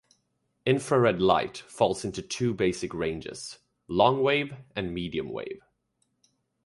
Infrared light falls into two basic ranges: "long-wave" and "medium-wave".